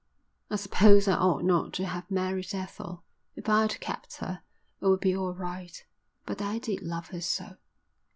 I suppose I ought not to have married Ethel. If I'd kept her it would be all right. But I did love her so."